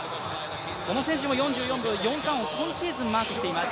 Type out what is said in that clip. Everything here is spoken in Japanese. この選手も４４秒４３を今シーズンマークしています。